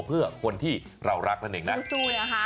เพื่อคนที่เรารักนั่นเองนะ